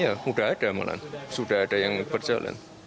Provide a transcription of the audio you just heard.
ya sudah ada malah sudah ada yang berjalan